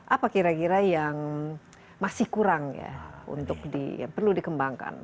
apa kira kira yang masih kurang ya untuk perlu dikembangkan